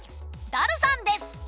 ダルさんです。